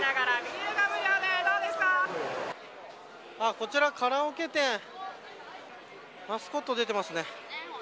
こちら、カラオケ店マスコットが出てますね。